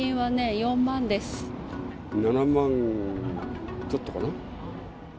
７万ちょっとかな。